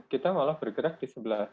kita malah bergerak di sebelah